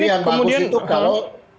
jadi yang bagus itu kalau